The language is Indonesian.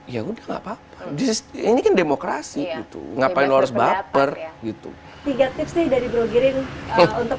ya udah nggak apa apa ini kan demokrasi ngapain lu harus baper gitu tiga tips dari bro girin untuk